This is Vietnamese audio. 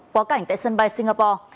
quá cảnh tại sân bay singapore